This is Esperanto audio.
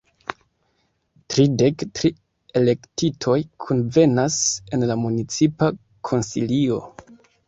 Tridek tri elektitoj kunvenas en la Municipa Konsilio.